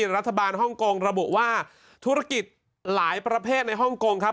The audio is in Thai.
รัฐบาลฮ่องกงระบุว่าธุรกิจหลายประเภทในฮ่องกงครับ